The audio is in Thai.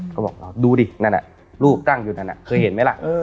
เขาบอกดูดินั่นน่ะลูกตั้งอยู่นั่นน่ะเคยเห็นไหมล่ะ